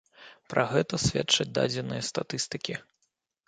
Пра гэта сведчаць дадзеныя статыстыкі.